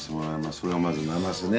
それがまずなますね。